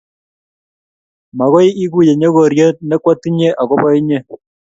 magoi iguye nyogoriet ne kwatinye akobo inye